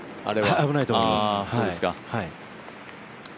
危ないと思います。